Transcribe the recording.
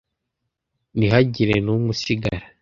ntihagire n’umwe usigara